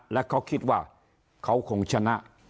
และเขาคิดว่าเขาคงชนะ